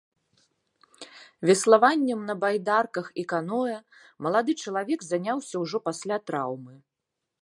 Веславаннем на байдарках і каноэ малады чалавек заняўся ўжо пасля траўмы.